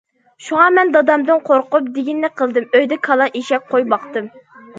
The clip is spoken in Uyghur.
شۇڭا مەن دادامدىن قورقۇپ، دېگىنىنى قىلدىم، ئۆيدە كالا، ئېشەك، قوي باقتىم.